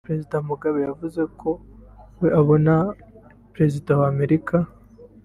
Perezida Mugabe yavuze kuri we abona Perezida wa Amerika